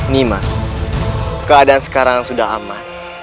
nimas keadaan sekarang sudah aman